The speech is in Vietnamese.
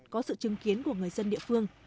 có sự chứng kiến của người dân địa phương